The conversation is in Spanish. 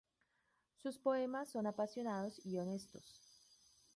Sus poemas son apasionados y honestos.